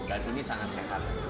dan ini sangat sehat